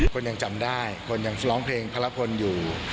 คนยังจำได้คนยังร้องเพลงพระรพลอยู่